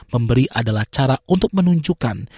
pemberi adalah cara untuk menunjukkan